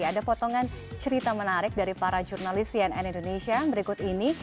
ada potongan cerita menarik dari para jurnalis cnn indonesia berikut ini